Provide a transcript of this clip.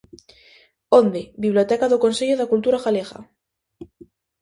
Onde: Biblioteca do Consello da Cultura Galega.